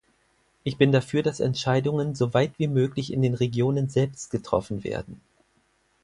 Ich bin dafür, dass Entscheidungen soweit wie möglich in den Regionen selbst getroffen werden.